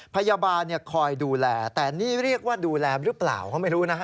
พยาบาลคอยดูแลแต่นี่เรียกว่าดูแลหรือเปล่าก็ไม่รู้นะฮะ